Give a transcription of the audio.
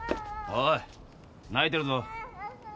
おい泣いてるぞ。